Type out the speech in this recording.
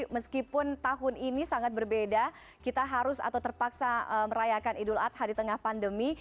meskipun tahun ini sangat berbeda kita harus atau terpaksa merayakan idul adha di tengah pandemi